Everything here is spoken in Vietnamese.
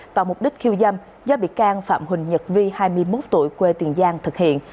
và mục đích khiêu dâm do bị can phạm huỳnh nhật vi hai mươi một tuổi quê tiền giang thực hiện